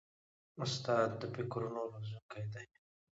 استاد د فکرونو روزونکی دی.